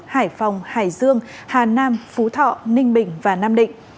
hải phòng hải dương hà nam phú thọ ninh bình và nam định